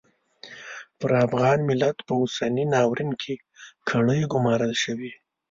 پر افغان ملت په اوسني ناورین کې کړۍ ګومارل شوې.